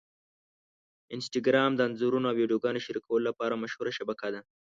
انسټاګرام د انځورونو او ویډیوګانو شریکولو لپاره مشهوره شبکه ده.